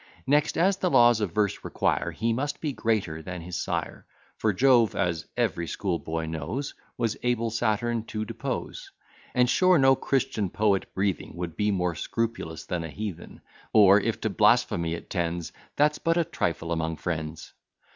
Next, as the laws of verse require, He must be greater than his sire; For Jove, as every schoolboy knows, Was able Saturn to depose; And sure no Christian poet breathing Would be more scrupulous than a Heathen; Or, if to blasphemy it tends. That's but a trifle among friends.